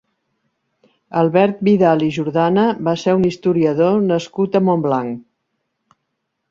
Albert Vidal i Jordana va ser un historiador nascut a Montblanc.